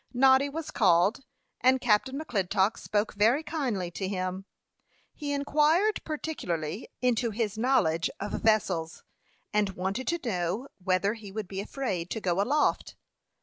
Noddy was called, and Captain McClintock spoke very kindly to him. He inquired particularly into his knowledge of vessels, and wanted to know whether he would be afraid to go aloft.